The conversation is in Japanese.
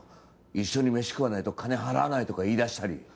一緒に飯食わねえと金払わないとか言い出したり。